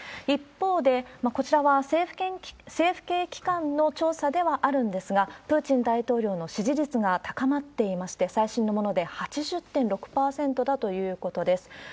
一方で、こちらは政府系機関の調査ではあるんですが、プーチン大統領の支持率が高まっていまして、最新のもので８０．６％だということです。